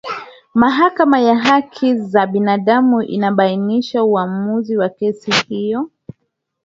mahakama ya haki za binadamu ilibainisha uamuzi wa kesi hiyo